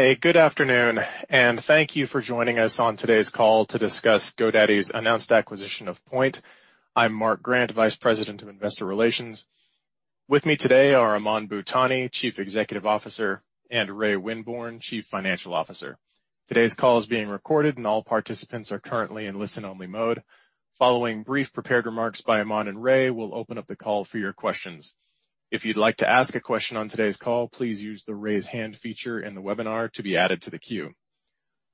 Hey, good afternoon. Thank you for joining us on today's call to discuss GoDaddy's announced acquisition of Poynt. I'm Mark Grant, Vice President of Investor Relations. With me today are Aman Bhutani, Chief Executive Officer, and Ray Winborne, Chief Financial Officer. Today's call is being recorded, and all participants are currently in listen-only mode. Following brief prepared remarks by Aman and Ray, we'll open up the call for your questions. If you'd like to ask a question on today's call, please use the raise hand feature in the webinar to be added to the queue.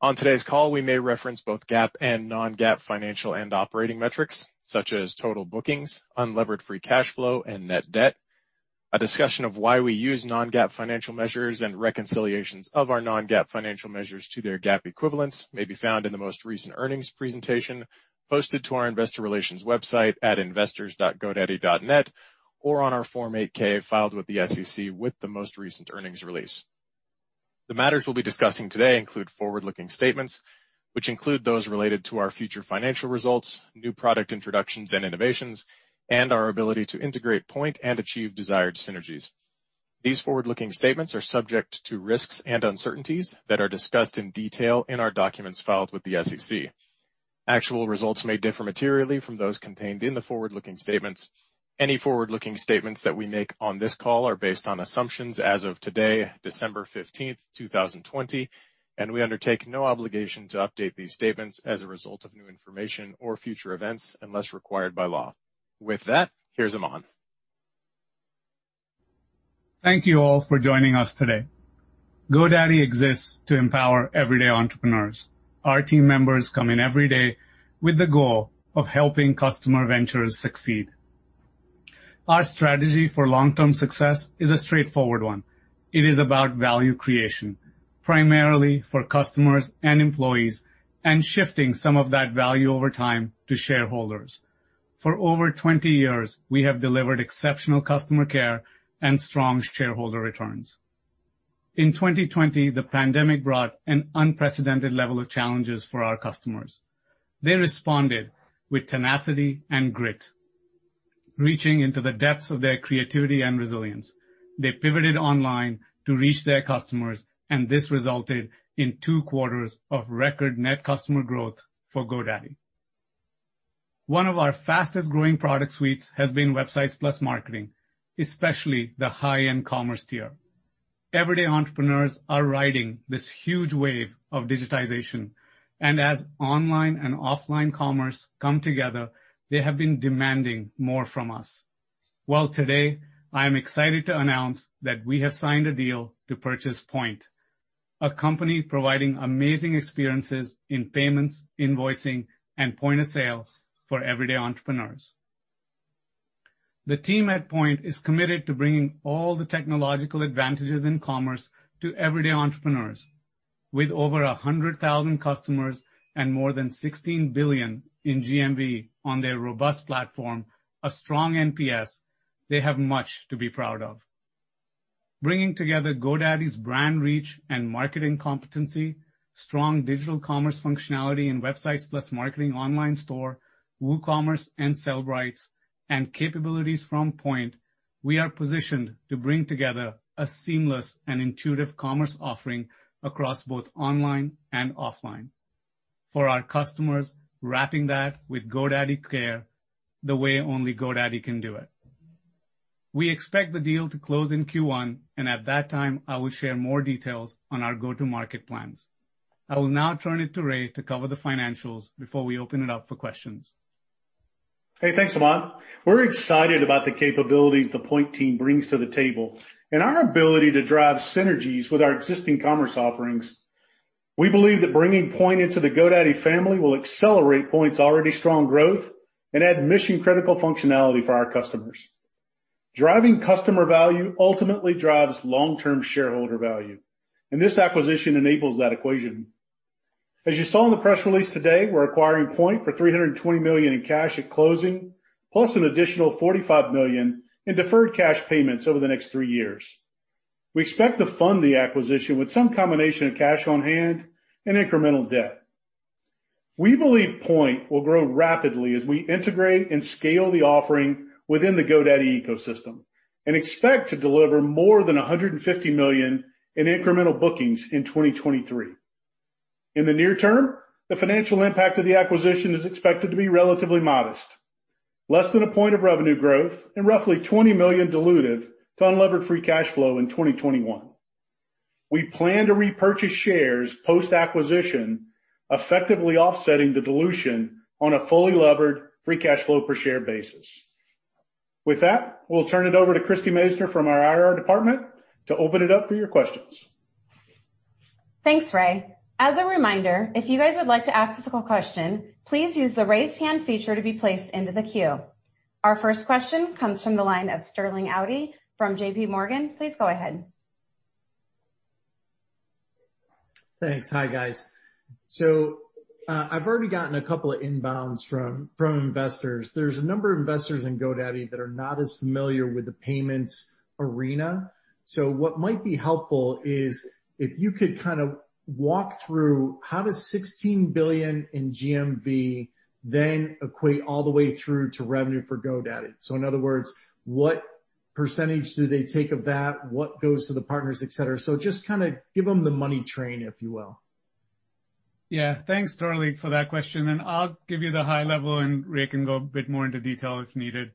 On today's call, we may reference both GAAP and non-GAAP financial and operating metrics, such as total bookings, unlevered free cash flow, and net debt. A discussion of why we use non-GAAP financial measures and reconciliations of our non-GAAP financial measures to their GAAP equivalents may be found in the most recent earnings presentation posted to our investor relations website at investors.godaddy.net or on our Form 8-K filed with the SEC with the most recent earnings release. The matters we'll be discussing today include forward-looking statements, which include those related to our future financial results, new product introductions and innovations, and our ability to integrate Poynt and achieve desired synergies. These forward-looking statements are subject to risks and uncertainties that are discussed in detail in our documents filed with the SEC. Actual results may differ materially from those contained in the forward-looking statements. Any forward-looking statements that we make on this call are based on assumptions as of today, December 15th, 2020, and we undertake no obligation to update these statements as a result of new information or future events unless required by law. With that, here's Aman. Thank you all for joining us today. GoDaddy exists to empower everyday entrepreneurs. Our team members come in every day with the goal of helping customer ventures succeed. Our strategy for long-term success is a straightforward one. It is about value creation, primarily for customers and employees, and shifting some of that value over time to shareholders. For over 20 years, we have delivered exceptional customer care and strong shareholder returns. In 2020, the pandemic brought an unprecedented level of challenges for our customers. They responded with tenacity and grit, reaching into the depths of their creativity and resilience. They pivoted online to reach their customers, and this resulted in two quarters of record net customer growth for GoDaddy. One of our fastest-growing product suites has been Websites + Marketing, especially the high-end commerce tier. Everyday entrepreneurs are riding this huge wave of digitization, and as online and offline commerce come together, they have been demanding more from us. Well, today, I am excited to announce that we have signed a deal to purchase Poynt, a company providing amazing experiences in payments, invoicing, and point of sale for everyday entrepreneurs. The team at Poynt is committed to bringing all the technological advantages in commerce to everyday entrepreneurs. With over 100,000 customers and more than $16 billion in GMV on their robust platform, a strong NPS, they have much to be proud of. Bringing together GoDaddy's brand reach and marketing competency, strong digital commerce functionality in Websites + Marketing online store, WooCommerce, and Sellbrite, and capabilities from Poynt, we are positioned to bring together a seamless and intuitive commerce offering across both online and offline. For our customers, wrapping that with GoDaddy care the way only GoDaddy can do it. We expect the deal to close in Q1, and at that time, I will share more details on our go-to-market plans. I will now turn it to Ray to cover the financials before we open it up for questions. Hey, thanks, Aman. We're excited about the capabilities the Poynt team brings to the table and our ability to drive synergies with our existing commerce offerings. We believe that bringing Poynt into the GoDaddy family will accelerate Poynt's already strong growth and add mission-critical functionality for our customers. Driving customer value ultimately drives long-term shareholder value, and this acquisition enables that equation. As you saw in the press release today, we're acquiring Poynt for $320 million in cash at closing, plus an additional $45 million in deferred cash payments over the next three years. We expect to fund the acquisition with some combination of cash on hand and incremental debt. We believe Poynt will grow rapidly as we integrate and scale the offering within the GoDaddy ecosystem and expect to deliver more than $150 million in incremental bookings in 2023. In the near term, the financial impact of the acquisition is expected to be relatively modest, less than one point of revenue growth and roughly $20 million dilutive to unlevered free cash flow in 2021. We plan to repurchase shares post-acquisition, effectively offsetting the dilution on a fully levered free cash flow per share basis. With that, we'll turn it over to Christie Masoner from our IR department to open it up for your questions. Thanks, Ray. As a reminder, if you guys would like to ask a simple question, please use the raise hand feature to be placed into the queue. Our first question comes from the line of Sterling Auty from JPMorgan. Please go ahead. Thanks. Hi, guys. I've already gotten a couple of inbounds from investors. There's a number of investors in GoDaddy that are not as familiar with the payments arena. What might be helpful is if you could kind of walk through how does $16 billion in GMV then equate all the way through to revenue for GoDaddy? In other words, what percentage do they take of that? What goes to the partners, et cetera. Just give them the money train, if you will. Thanks, Sterling, for that question. I'll give you the high level, and Ray can go a bit more into detail if needed.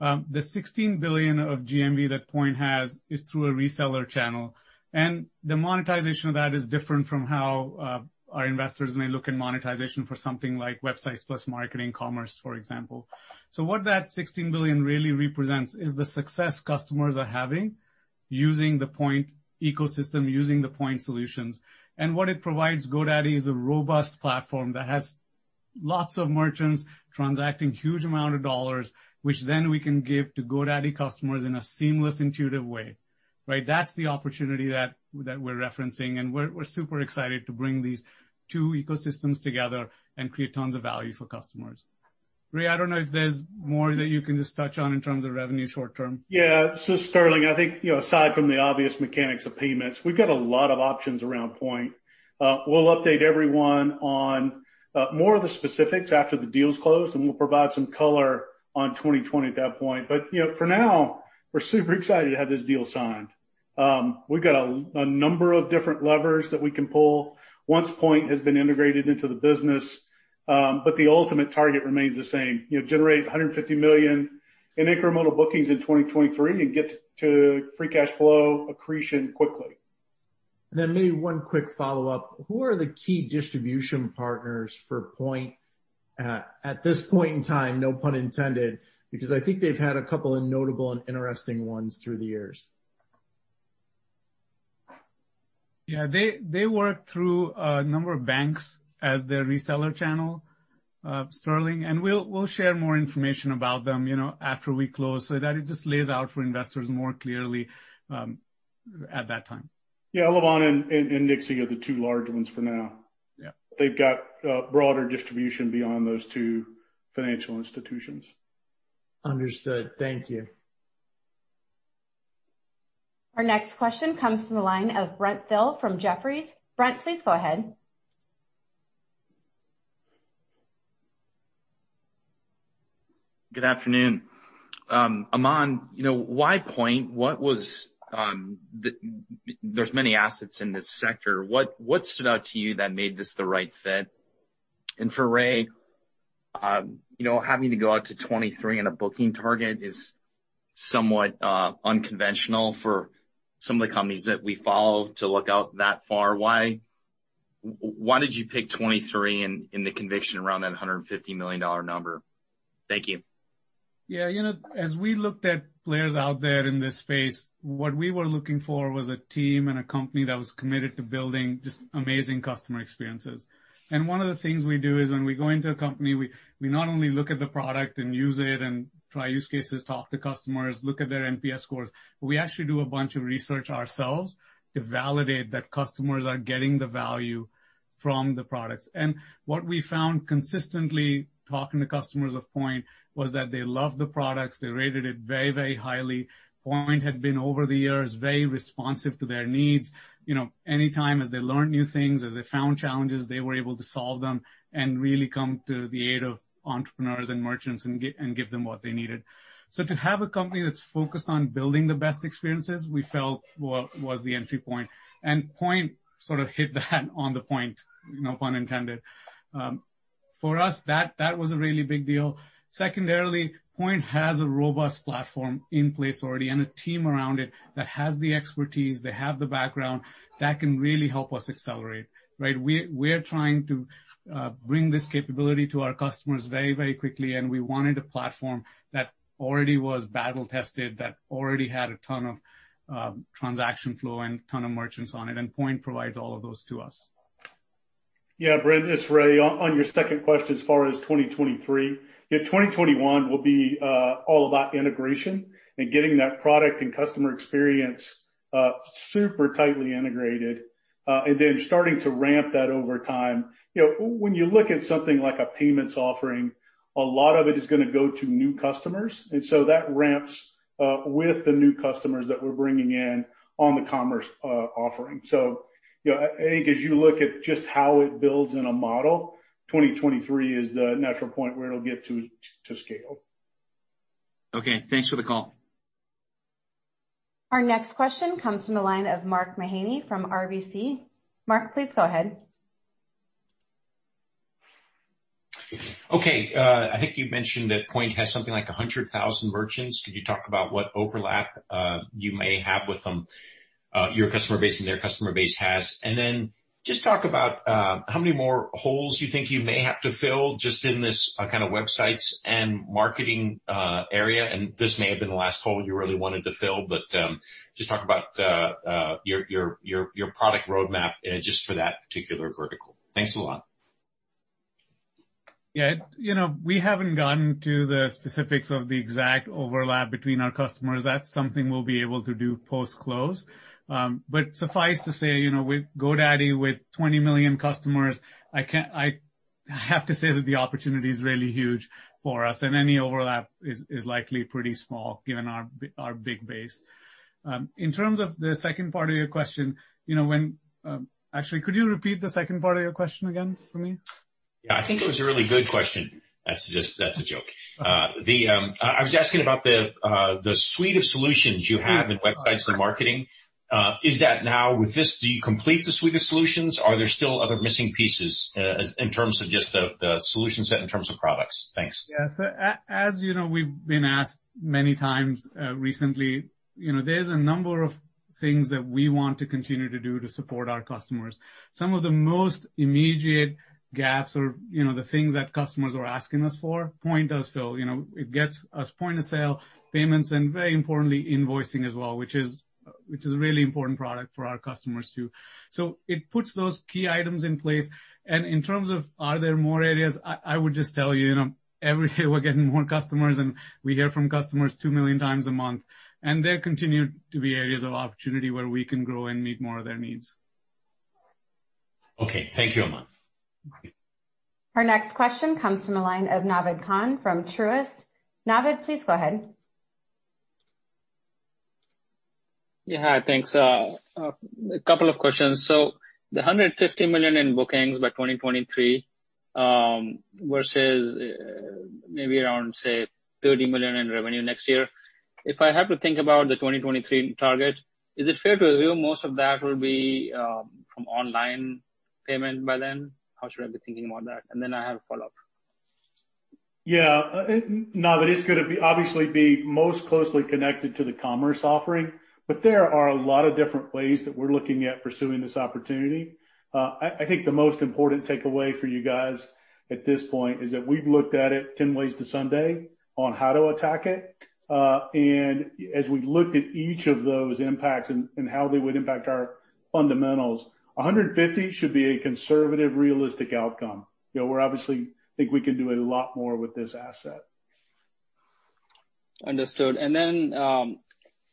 The $16 billion of GMV that Poynt has is through a reseller channel. The monetization of that is different from how our investors may look in monetization for something like Websites + Marketing Commerce, for example. What that $16 billion really represents is the success customers are having using the Poynt ecosystem, using the Poynt solutions. What it provides GoDaddy is a robust platform that has lots of merchants transacting huge amount of dollars, which then we can give to GoDaddy customers in a seamless, intuitive way, right? That's the opportunity that we're referencing. We're super excited to bring these two ecosystems together and create tons of value for customers. Ray, I don't know if there's more that you can just touch on in terms of revenue short term. Sterling, I think, aside from the obvious mechanics of payments, we've got a lot of options around Poynt. We'll update everyone on more of the specifics after the deal's closed, and we'll provide some color on 2020 at that point. For now, we're super excited to have this deal signed. We've got a number of different levers that we can pull once Poynt has been integrated into the business, but the ultimate target remains the same: generate $150 million in incremental bookings in 2023 and get to free cash flow accretion quickly. Maybe one quick follow-up, who are the key distribution partners for Poynt at this point in time, no pun intended? I think they've had a couple of notable and interesting ones through the years. Yeah. They work through a number of banks as their reseller channel, Sterling. We'll share more information about them after we close, so that it just lays out for investors more clearly at that time. Elavon and Nexi are the two large ones for now. Yeah. They've got broader distribution beyond those two financial institutions. Understood. Thank you. Our next question comes from the line of Brent Thill from Jefferies. Brent, please go ahead. Good afternoon. Aman, why Poynt? There's many assets in this sector. What stood out to you that made this the right fit? For Ray, having to go out to 2023 in a booking target is somewhat unconventional for some of the companies that we follow to look out that far. Why did you pick 2023 and the conviction around that $150 million number? Thank you. Yeah. As we looked at players out there in this space, what we were looking for was a team and a company that was committed to building just amazing customer experiences. One of the things we do is when we go into a company, we not only look at the product and use it and try use cases, talk to customers, look at their NPS scores, but we actually do a bunch of research ourselves to validate that customers are getting the value from the products. What we found consistently talking to customers of Poynt was that they love the products. They rated it very, very highly. Poynt had been, over the years, very responsive to their needs. Anytime as they learn new things or they found challenges, they were able to solve them and really come to the aid of entrepreneurs and merchants and give them what they needed. To have a company that's focused on building the best experiences, we felt was the entry point, and Poynt sort of hit that on the point, no pun intended. For us, that was a really big deal. Secondarily, Poynt has a robust platform in place already and a team around it that has the expertise, they have the background, that can really help us accelerate, right? We're trying to bring this capability to our customers very, very quickly, and we wanted a platform that already was battle-tested, that already had a ton of transaction flow and ton of merchants on it, and Poynt provides all of those to us. Yeah, Brent, it's Ray. On your second question, as far as 2023. 2021 will be all about integration and getting that product and customer experience super tightly integrated, and then starting to ramp that over time. When you look at something like a payments offering, a lot of it is going to go to new customers. That ramps with the new customers that we're bringing in on the commerce offering. I think as you look at just how it builds in a model, 2023 is the natural point where it'll get to scale. Okay, thanks for the call. Our next question comes from the line of Mark Mahaney from RBC. Mark, please go ahead. Okay. I think you mentioned that Poynt has something like 100,000 merchants. Could you talk about what overlap you may have with them, your customer base and their customer base has? Then just talk about how many more holes you think you may have to fill just in this kind of Websites + Marketing area, and this may have been the last hole you really wanted to fill, but just talk about your product roadmap just for that particular vertical. Thanks a lot. Yeah. We haven't gotten to the specifics of the exact overlap between our customers. Suffice to say, with GoDaddy, with 20 million customers, I have to say that the opportunity is really huge for us, and any overlap is likely pretty small given our big base. In terms of the second part of your question, when actually, could you repeat the second part of your question again for me? Yeah, I think it was a really good question. That's a joke. I was asking about the suite of solutions you have in Websites + Marketing. Is that now with this, do you complete the suite of solutions? Are there still other missing pieces in terms of just the solution set in terms of products? Thanks. Yes. As you know, we've been asked many times recently, there's a number of things that we want to continue to do to support our customers. Some of the most immediate gaps or the things that customers are asking us for, Poynt does fill. It gets us point-of-sale payments and very importantly, invoicing as well, which is a really important product for our customers, too. It puts those key items in place, and in terms of are there more areas, I would just tell you, every day we're getting more customers, and we hear from customers 2 million times a month, and there continue to be areas of opportunity where we can grow and meet more of their needs. Okay. Thank you, Aman. Our next question comes from the line of Naved Khan from Truist. Naved, please go ahead. Yeah. Thanks. A couple of questions. The $150 million in bookings by 2023, versus maybe around, say, $30 million in revenue next year. If I have to think about the 2023 target, is it fair to assume most of that will be from online payment by then? How should I be thinking about that? Then I have a follow-up. Naved, it's going to be obviously most closely connected to the commerce offering. There are a lot of different ways that we're looking at pursuing this opportunity. I think the most important takeaway for you guys at this point is that we've looked at it 10 ways to Sunday on how to attack it. As we looked at each of those impacts and how they would impact our fundamentals, 150 should be a conservative, realistic outcome. We obviously think we can do a lot more with this asset. Understood, and then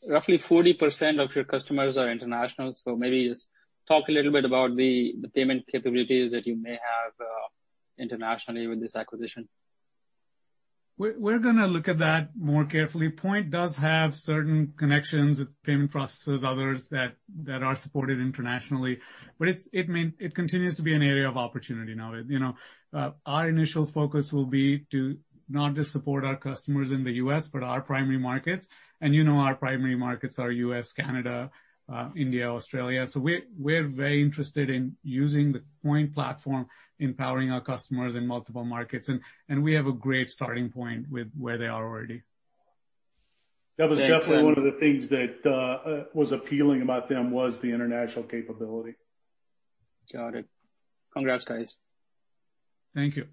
roughly 40% of your customers are international, so maybe just talk a little bit about the payment capabilities that you may have internationally with this acquisition? We're going to look at that more carefully. Poynt does have certain connections with payment processors, others that are supported internationally, but it continues to be an area of opportunity, Naved. Our initial focus will be to not just support our customers in the U.S., but our primary markets, and you know our primary markets are U.S., Canada, India, Australia. We're very interested in using the Poynt platform, empowering our customers in multiple markets, and we have a great starting point with where they are already. That was definitely one of the things that was appealing about them was the international capability. Got it. Congrats, guys. Thank you.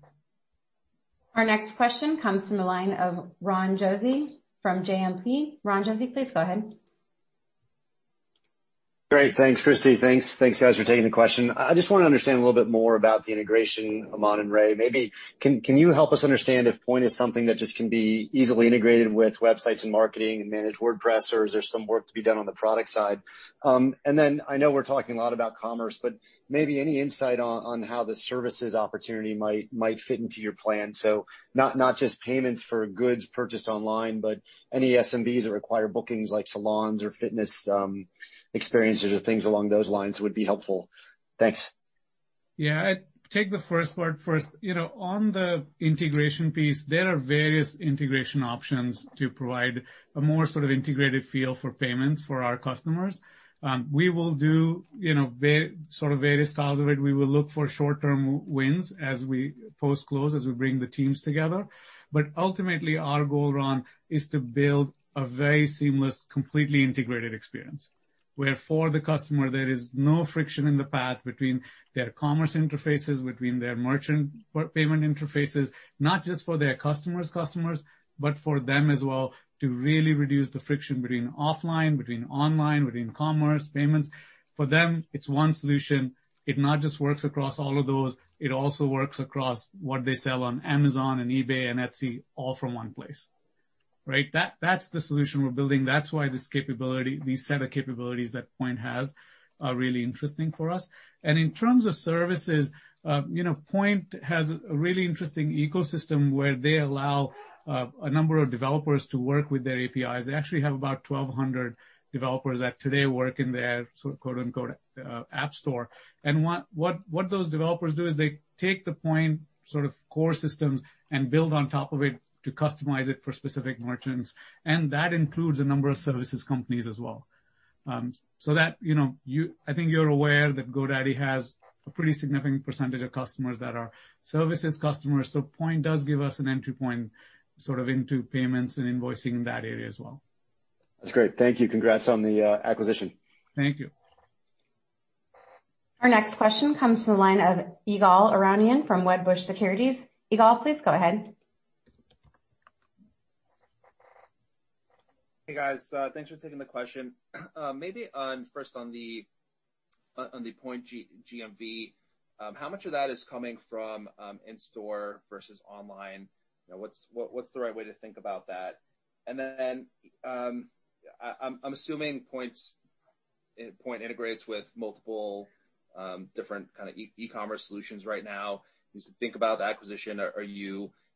Our next question comes from the line of Ron Josey from JMP. Ron Josey, please go ahead. Great. Thanks, Christie. Thanks, guys, for taking the question. I just want to understand a little bit more about the integration, Aman and Ray. Maybe can you help us understand if Poynt is something that just can be easily integrated with Websites + Marketing and Managed WordPress, or is there some work to be done on the product side? Then I know we're talking a lot about commerce, but maybe any insight on how the services opportunity might fit into your plan. Not just payments for goods purchased online, but any SMBs that require bookings like salons or fitness experiences or things along those lines would be helpful. Thanks. Yeah. I take the first part first. On the integration piece, there are various integration options to provide a more sort of integrated feel for payments for our customers. We will do sort of various styles of it. We will look for short-term wins as we post-close, as we bring the teams together. Ultimately, our goal, Ron, is to build a very seamless, completely integrated experience where for the customer there is no friction in the path between their commerce interfaces, between their merchant payment interfaces, not just for their customers' customers, but for them as well to really reduce the friction between offline, between online, between commerce, payments. For them, it's one solution. It not just works across all of those, it also works across what they sell on Amazon and eBay and Etsy all from one place. Right? That's the solution we're building. That's why this capability, these set of capabilities that Poynt has are really interesting for us. In terms of services, Poynt has a really interesting ecosystem where they allow a number of developers to work with their APIs. They actually have about 1,200 developers that today work in their sort of quote-unquote "app store." What those developers do is they take the Poynt sort of core systems and build on top of it to customize it for specific merchants, and that includes a number of services companies as well. I think you're aware that GoDaddy has a pretty significant percentage of customers that are services customers. Poynt does give us an entry point sort of into payments and invoicing in that area as well. That's great. Thank you. Congrats on the acquisition. Thank you. Our next question comes from the line of Ygal Arounian from Wedbush Securities. Ygal, please go ahead. Hey, guys. Thanks for taking the question. Maybe first on the Poynt GMV, how much of that is coming from in-store versus online? What's the right way to think about that? Then I'm assuming Poynt integrates with multiple different kind of e-commerce solutions right now. As you think about the acquisition,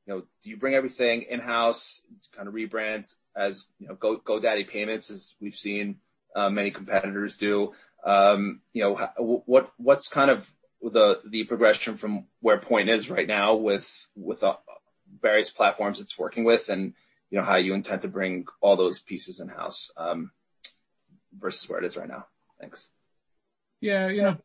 do you bring everything in-house, kind of rebrand as GoDaddy Payments, as we've seen many competitors do? What's kind of the progression from where Poynt is right now with. various platforms it's working with, and how you intend to bring all those pieces in-house versus where it is right now. Thanks. To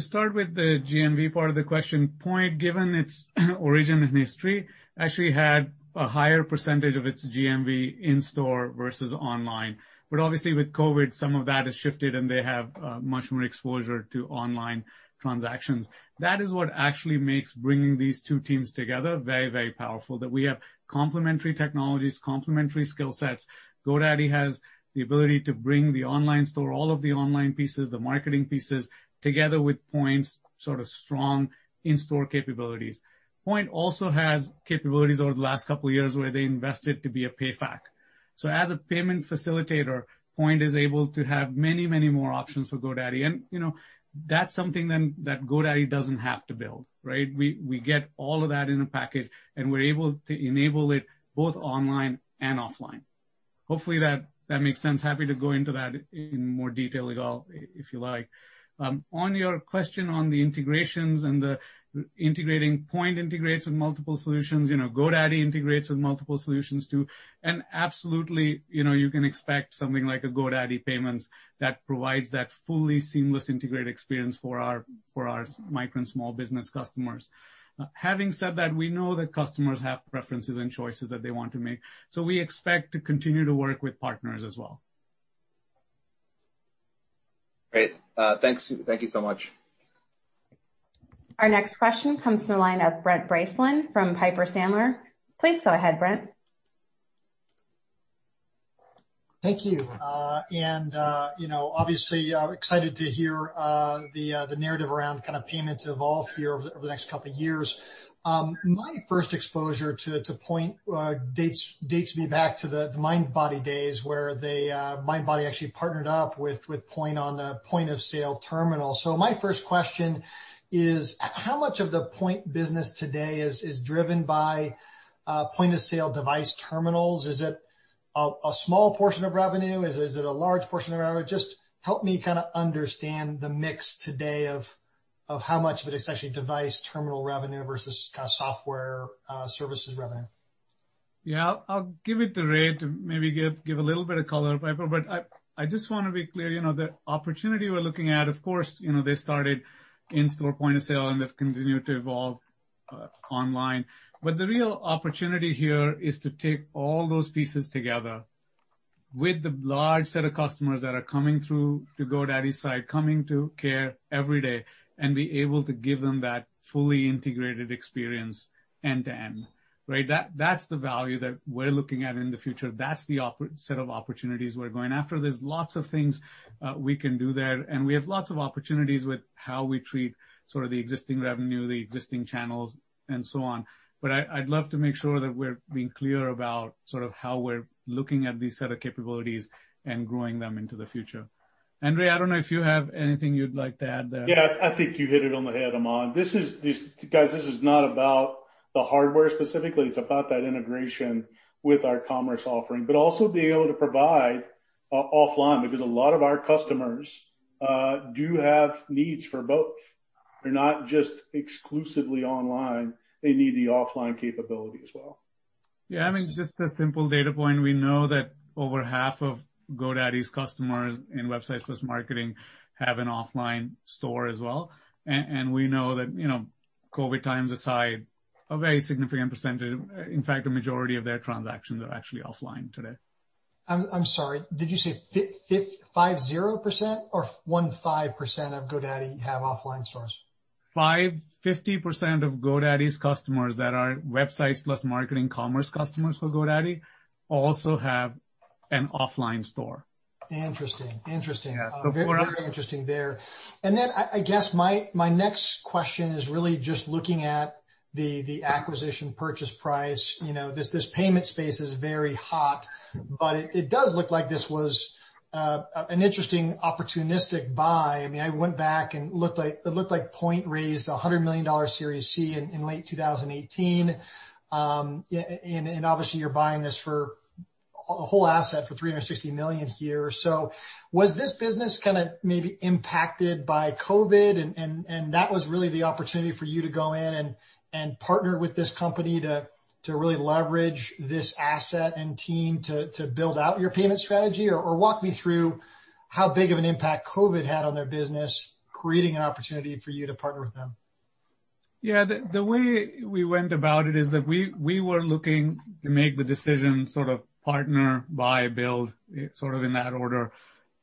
start with the GMV part of the question, Poynt, given its origin and history, actually had a higher percentage of its GMV in-store versus online. Obviously with COVID, some of that has shifted, and they have much more exposure to online transactions. That is what actually makes bringing these two teams together very powerful, that we have complementary technologies, complementary skill sets. GoDaddy has the ability to bring the online store, all of the online pieces, the marketing pieces, together with Poynt's strong in-store capabilities. Poynt also has capabilities over the last couple of years where they invested to be a PayFac. As a payment facilitator, Poynt is able to have many more options for GoDaddy, and that's something then that GoDaddy doesn't have to build, right? We get all of that in a package, and we're able to enable it both online and offline. Hopefully, that makes sense. Happy to go into that in more detail at all if you like. On your question on the integrations and the integrating, Poynt integrates with multiple solutions. GoDaddy integrates with multiple solutions, too, and absolutely, you can expect something like a GoDaddy Payments that provides that fully seamless integrated experience for our micro and small business customers. Having said that, we know that customers have preferences and choices that they want to make. We expect to continue to work with partners as well. Great. Thank you so much. Our next question comes from the line of Brent Bracelin from Piper Sandler. Please go ahead, Brent. Thank you. Obviously excited to hear the narrative around kind of payments evolve here over the next couple of years. My first exposure to Poynt dates me back to the Mindbody days, where Mindbody actually partnered up with Poynt on the point-of-sale terminal. My first question is how much of the Poynt business today is driven by point-of-sale device terminals? Is it a small portion of revenue? Is it a large portion of revenue? Just help me kind of understand the mix today of how much of it is actually device terminal revenue versus software services revenue. I'll give it to Ray to maybe give a little bit of color, but I just want to be clear, the opportunity we're looking at, of course, they started in-store point of sale, and they've continued to evolve online. The real opportunity here is to take all those pieces together with the large set of customers that are coming through the GoDaddy side, coming to care every day, and be able to give them that fully integrated experience end to end, right? That's the value that we're looking at in the future. That's the set of opportunities we're going after. There's lots of things we can do there, and we have lots of opportunities with how we treat sort of the existing revenue, the existing channels, and so on. I'd love to make sure that we're being clear about how we're looking at these set of capabilities and growing them into the future. And Ray, I don't know if you have anything you'd like to add there. Yeah. I think you hit it on the head, Aman. Guys, this is not about the hardware specifically. It's about that integration with our commerce offering, but also being able to provide offline because a lot of our customers do have needs for both. They're not just exclusively online. They need the offline capability as well. I mean, just a simple data point, we know that over half of GoDaddy's customers in Websites + Marketing have an offline store as well, and we know that, COVID times aside, a very significant percentage, in fact, a majority of their transactions are actually offline today. I'm sorry, did you say 50% or 15% of GoDaddy have offline stores? 50% of GoDaddy's customers that are Websites + Marketing commerce customers for GoDaddy also have an offline store. Interesting. Yeah. Very interesting there. Then I guess my next question is really just looking at the acquisition purchase price. This payment space is very hot, but it does look like this was an interesting opportunistic buy. I went back, and it looked like Poynt raised $100 million Series C in late 2018. Obviously, you're buying this for a whole asset for $360 million here. Was this business kind of maybe impacted by COVID, and that was really the opportunity for you to go in and partner with this company to really leverage this asset and team to build out your payment strategy? Walk me through how big of an impact COVID had on their business, creating an opportunity for you to partner with them. Yeah. The way we went about it is that we were looking to make the decision sort of partner, buy, build, sort of in that order,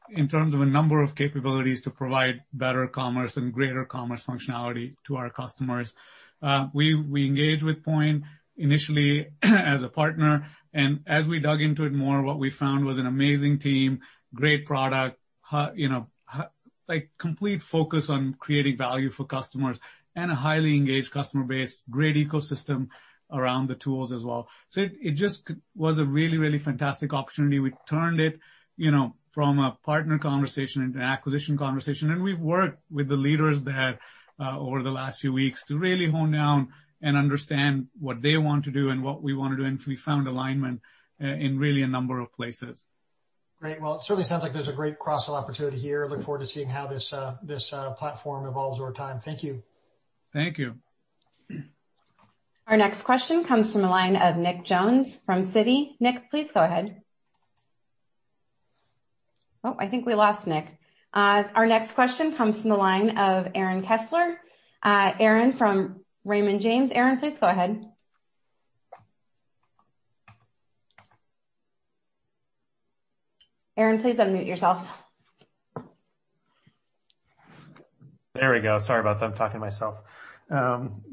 in terms of a number of capabilities to provide better commerce and greater commerce functionality to our customers. We engaged with Poynt initially as a partner, and as we dug into it more, what we found was an amazing team, great product, complete focus on creating value for customers, and a highly engaged customer base, great ecosystem around the tools as well. It just was a really, really fantastic opportunity. We turned it from a partner conversation into an acquisition conversation, and we've worked with the leaders there over the last few weeks to really hone down and understand what they want to do and what we want to do, and we found alignment in really a number of places. Great. Well, it certainly sounds like there's a great cross-sell opportunity here. Look forward to seeing how this platform evolves over time. Thank you. Thank you. Our next question comes from the line of Nick Jones from Citi. Nick, please go ahead. Oh, I think we lost Nick. Our next question comes from the line of Aaron Kessler. Aaron from Raymond James. Aaron, please go ahead. Aaron, please unmute yourself. There we go. Sorry about that. I'm talking to myself.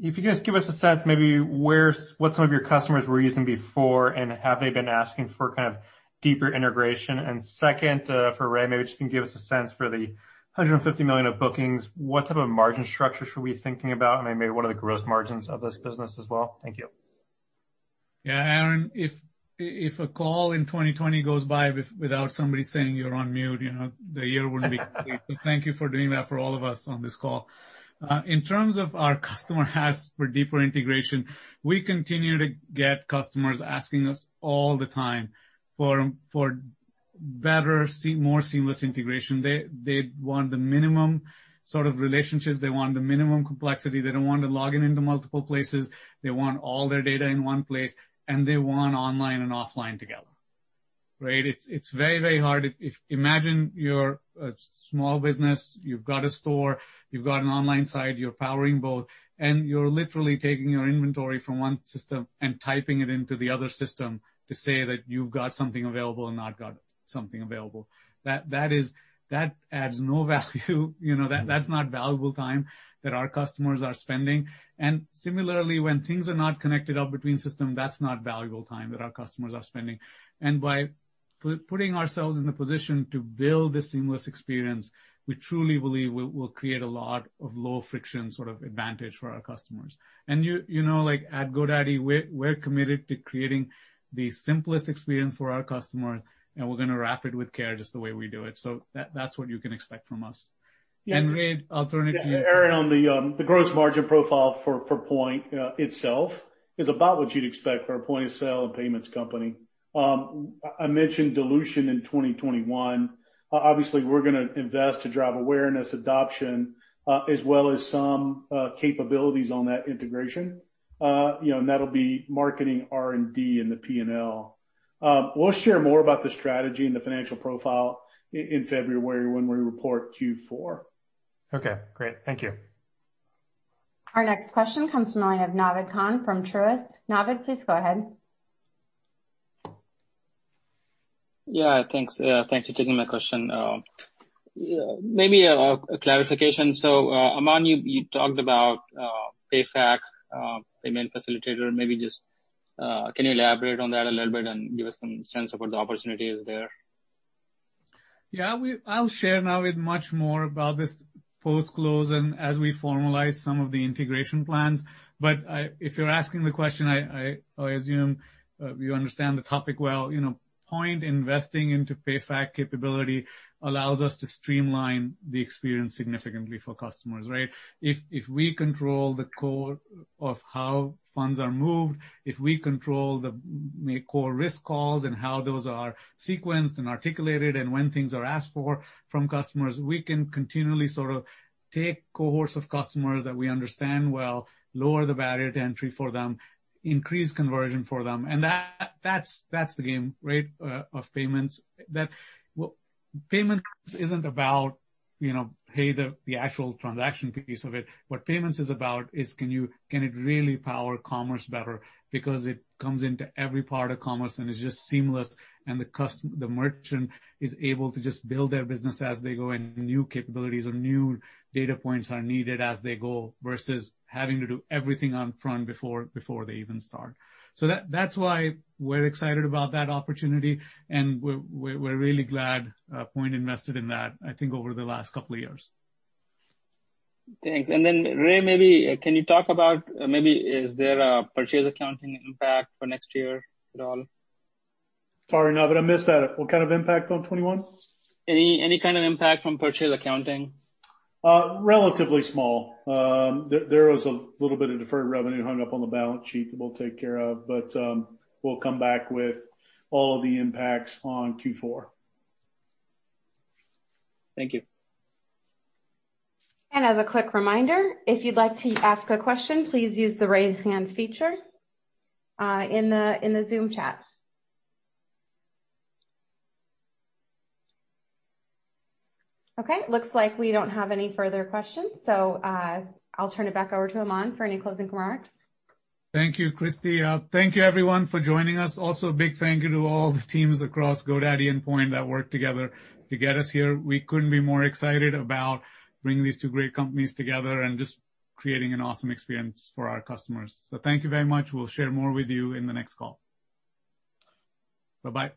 If you guys give us a sense maybe what some of your customers were using before, and have they been asking for deeper integration? Second, for Ray, maybe just can give us a sense for the $150 million of bookings, what type of margin structure should we be thinking about? Maybe what are the gross margins of this business as well? Thank you. Yeah, Aaron, if a call in 2020 goes by without somebody saying you're on mute, the year wouldn't be complete. Thank you for doing that for all of us on this call. In terms of our customer asks for deeper integration, we continue to get customers asking us all the time for better, more seamless integration. They want the minimum sort of relationships. They want the minimum complexity. They don't want to login into multiple places. They want all their data in one place, and they want online and offline together. Right? It's very hard. Imagine you're a small business, you've got a store, you've got an online side, you're powering both, and you're literally taking your inventory from one system and typing it into the other system to say that you've got something available and not got something available. That adds no value. That's not valuable time that our customers are spending. Similarly, when things are not connected up between system, that's not valuable time that our customers are spending. By putting ourselves in the position to build this seamless experience, we truly believe we will create a lot of low friction sort of advantage for our customers. At GoDaddy, we're committed to creating the simplest experience for our customers, and we're going to wrap it with care just the way we do it. That's what you can expect from us. Ray, alternatively. Aaron, on the gross margin profile for Poynt itself is about what you'd expect for a point-of-sale and payments company. I mentioned dilution in 2021. Obviously, we're going to invest to drive awareness, adoption, as well as some capabilities on that integration. That'll be marketing R&D in the P&L. We'll share more about the strategy and the financial profile in February when we report Q4. Okay, great. Thank you. Our next question comes from the line of Naved Khan from Truist. Naved, please go ahead. Yeah, thanks. Thanks for taking my question. Aman, you talked about PayFac, payment facilitator, maybe just can you elaborate on that a little bit and give us some sense of what the opportunity is there? Yeah, I'll share Naved much more about this post-close and as we formalize some of the integration plans. If you're asking the question, I assume you understand the topic well. Poynt investing into PayFac capability allows us to streamline the experience significantly for customers, right? If we control the core of how funds are moved, if we control the core risk calls and how those are sequenced and articulated and when things are asked for from customers, we can continually sort of take cohorts of customers that we understand well, lower the barrier to entry for them, increase conversion for them, and that's the game, right, of payments. That payment isn't about pay the actual transaction piece of it. What payments is about is can it really power commerce better because it comes into every part of commerce, and it's just seamless, and the merchant is able to just build their business as they go, and new capabilities or new data points are needed as they go, versus having to do everything up front before they even start. That's why we're excited about that opportunity, and we're really glad Poynt invested in that, I think over the last couple of years. Thanks. Ray, maybe can you talk about maybe is there a purchase accounting impact for next year at all? Sorry, Naved, I missed that. What kind of impact on 2021? Any kind of impact from purchase accounting? Relatively small. There was a little bit of deferred revenue hung up on the balance sheet that we'll take care of, but we'll come back with all of the impacts on Q4. Thank you. As a quick reminder, if you'd like to ask a question, please use the raise hand feature in the Zoom chat. Okay, looks like we don't have any further questions, so I'll turn it back over to Aman for any closing remarks. Thank you, Christie. Thank you everyone for joining us. Also, a big thank you to all the teams across GoDaddy and Poynt that worked together to get us here. We couldn't be more excited about bringing these two great companies together and just creating an awesome experience for our customers. Thank you very much. We'll share more with you in the next call. Bye-bye